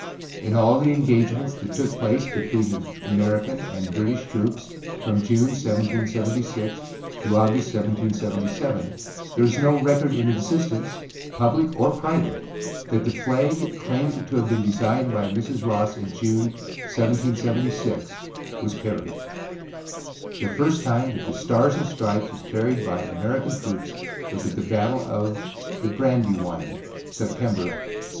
In all the engagements that took place between the American and British troops from June, 1776, to August, 1777, there is no record in existence, public or private, that the flag claimed to have been designed by Mrs. Ross in June, 1776, was carried. The first time that the Stars and Stripes was carried by American troops was at the battle of the Brandywine, September, 1777.